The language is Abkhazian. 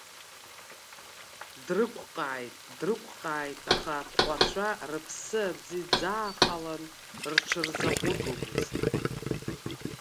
Дрықәҟааит, дрықәҟааит, аха атҟәацәа рыԥсы аӡы иӡаахалан рҽырзаҟәыгомыт.